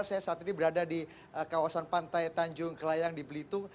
saya saat ini berada di kawasan pantai tanjung kelayang di belitung